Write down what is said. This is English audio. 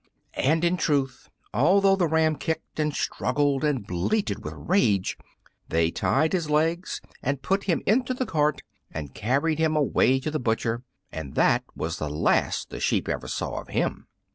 And, in truth, although the ram kicked and struggled and bleated with rage, they tied his legs and put him into the cart and carried him away to the butcher. And that was the last the sheep ever saw of him.